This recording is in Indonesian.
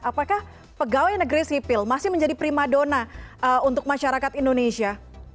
apakah pegawai negeri sipil masih menjadi prima dona untuk masyarakat indonesia